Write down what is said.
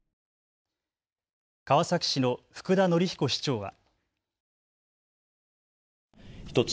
川崎市の福田紀彦市長は。